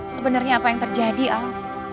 sebenarnya apa yang terjadi al